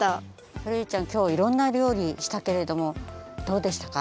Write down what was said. ソレイユちゃんきょうはいろんな料理したけれどもどうでしたか？